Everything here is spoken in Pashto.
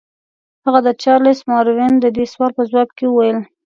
هغه د چارلس ماروین د دې سوال په ځواب کې وویل.